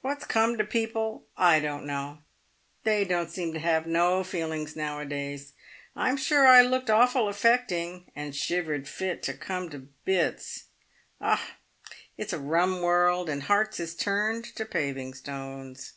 What's come to people I don't know. They don't seem to have no feelings now a days. I'm sure I looked awful affecting, and shivered fit to come to bits. Ah ! it's a rum world, and hearts is turned to paving stones."